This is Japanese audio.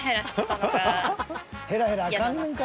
ヘラヘラあかんのか。